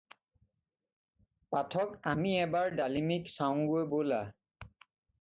পাঠক, আমি এবাৰ ডালিমীক চাওঁগৈ ব'লা।